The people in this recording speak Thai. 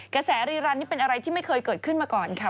แสรีรันนี่เป็นอะไรที่ไม่เคยเกิดขึ้นมาก่อนค่ะ